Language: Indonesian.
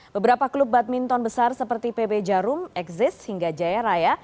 beberapa klub badminton besar seperti pb jarum exis hingga jaya raya